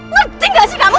lerti gak sih kamu